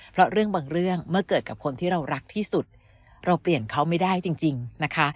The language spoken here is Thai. เพราะเรื่องบางเรื่องเมื่อเกิดกับคนที่เรารักที่สุดเราเปลี่ยนเขาไม่ได้จริงนะคะ